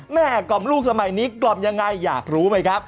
แหมกล่อมลูกสมัยนี้กล่อมอย่างไรอยากรู้ไหม